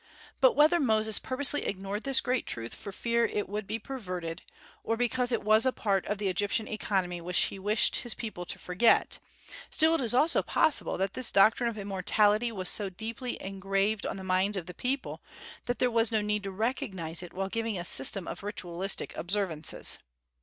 But whether Moses purposely ignored this great truth for fear it would be perverted, or because it was a part of the Egyptian economy which he wished his people to forget, still it is also possible that this doctrine of immortality was so deeply engraved on the minds of the people that there was no need to recognize it while giving a system of ritualistic observances.